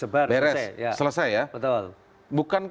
beres selesai ya